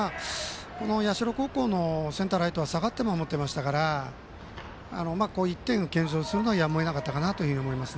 社高校のセンター、ライトは下がって守っていましたから１点を献上するのはやむを得なかったかなと思います。